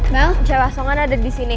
mel cea rasongan ada di sini